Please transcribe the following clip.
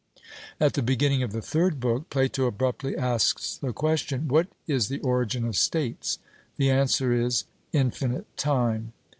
At the beginning of the third book, Plato abruptly asks the question, What is the origin of states? The answer is, Infinite time.